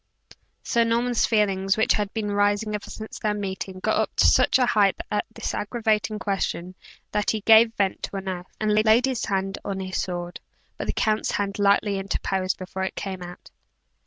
Sir Norman's feelings, which had been rising ever since their meeting, got up to such a height at this aggravating question, that he gave vent to an oath, and laid his hand on his sword; but the count's hand lightly interposed before it came out.